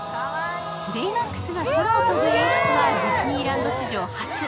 ベイマックスが空を飛ぶ演出はディズニーランド史上初。